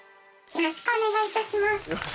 よろしくお願いします。